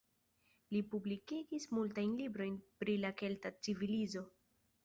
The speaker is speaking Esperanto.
Li publikigis multajn librojn pri la kelta civilizo.